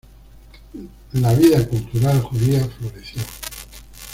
La vida cultural judía floreció.